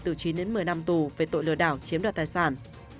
từ chín đến một mươi năm tù về tội lừa đảo chiếm đoạt tài sản